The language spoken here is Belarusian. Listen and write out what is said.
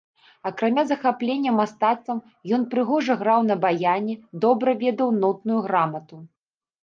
Акрамя захаплення мастацтвам, ён прыгожа граў на баяне, добра ведаў нотную грамату.